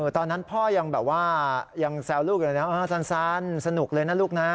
ตอนนั้นพ่อยังแซวลูกเลยนะซันสนุกเลยนะลูกนะ